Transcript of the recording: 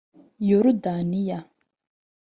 Yorudaniya